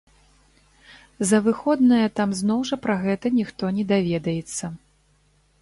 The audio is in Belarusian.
За выходныя там зноў жа пра гэта ніхто не даведаецца.